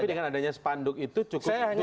tapi dengan adanya spanduk itu cukup menudutkan tidak